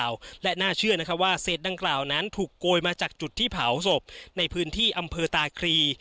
ว่าเศษดังกล่าวนั้นถูกโกยมาจากจุดที่เผาศพในพื้นที่อำเภอตาครี